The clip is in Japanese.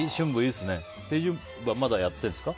青春部はまだやってるんですか？